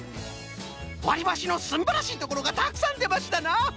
わりばしのすんばらしいところがたくさんでましたな！